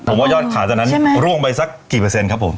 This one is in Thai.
ผมว่ายอดขายตอนนั้นร่วงไปสักกี่เปอร์เซ็นครับผม